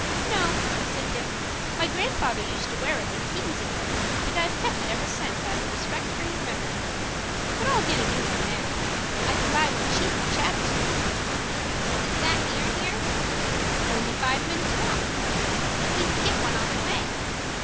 "No," said Dick; "my grandfather used to wear it when he was a boy, and I've kep' it ever since out of respect for his memory. But I'll get a new one now. I can buy one cheap on Chatham Street." "Is that near here?" "Only five minutes' walk." "Then we can get one on the way."